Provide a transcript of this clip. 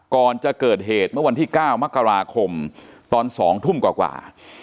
ก่อนจะเกิดเหตุเมื่อวันที่๙มกราคมตอน๒ทุ่มกว่า